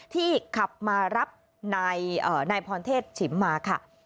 ขับมารับนายพรเทศฉิมมาค่ะ